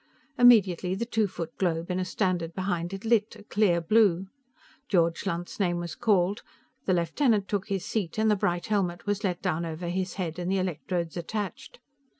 Immediately the two foot globe in a standard behind it lit, a clear blue. George Lunt's name was called; the lieutenant took his seat and the bright helmet was let down over his head and the electrodes attached.